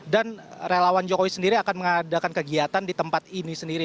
dan relawan jokowi sendiri akan mengadakan kegiatan di tempat ini sendiri